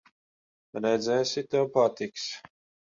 Redzēsi, tev patiks.